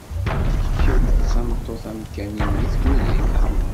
kemm d tameṭṭut amkan-im deg tkuzint.